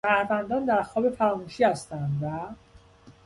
شهروندان در خواب فراموشی هستند و...